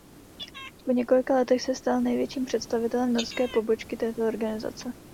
Po několika letech se stal nejvyšším představitelem norské pobočky této organizace.